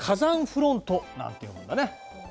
フロントなんて呼ぶんだね。